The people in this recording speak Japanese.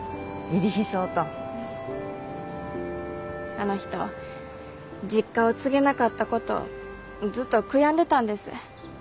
あの人実家を継げなかったことずっと悔やんでたんです。